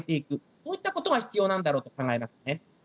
こういったことが必要なんだろうと考えます。